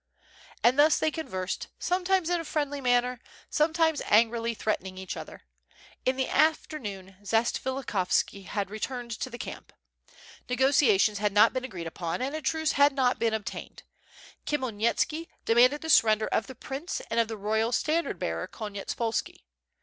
And thus they conversed, sometimes in a friendly manner. WITH FIRE AND 8W0RD, j^j sometimes angrily threateniBg each other. In the afternoon Zatsvilikhovski returned to the camp. Negotiations had not been agreed upon, and a truce had not been obtained. Khmy elnitski demanded the surrender of the prince and of the royal standard bearer Konyetspolski.